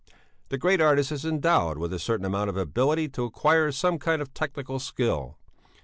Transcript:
The great artist is endowed with a certain amount of ability to acquire some kind of technical skill.